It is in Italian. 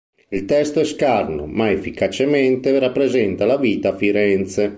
Il testo è scarno, ma efficacemente rappresentata la vita a Firenze.